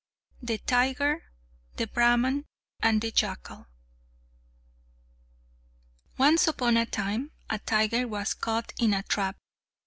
The Tiger, the Brahman, and the Jackal Once upon a time, a tiger was caught in a trap.